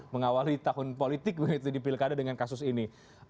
mengawali tahun politik begitu di pilkada dengan kasus ini